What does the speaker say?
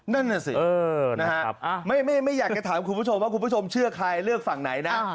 นั่นน่ะสินะฮะไม่อยากจะถามคุณผู้ชมว่าคุณผู้ชมเชื่อใครเลือกฝั่งไหนนะ